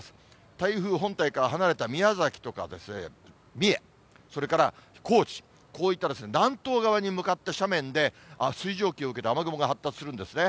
台風本体から離れた宮崎とかですね、三重、それから高知、こういった南東側に向かった斜面で、水蒸気を受けて雨雲が発達するんですね。